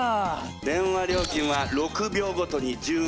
電話料金は６秒ごとに１０円。